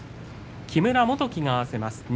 木村元基が合わせます。